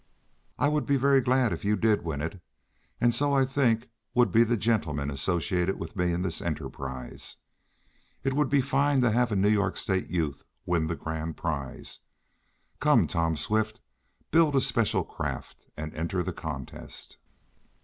"I would be very glad if you did win it, and, so I think, would be the gentlemen associated with me in this enterprise. It would be fine to have a New York State youth win the grand prize. Come, Tom Swift, build a special craft, and enter the contest!"